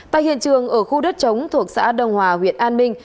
tại hiện trường ở khu đất trống thuộc xã đồng hòa huyện an minh